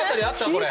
これ。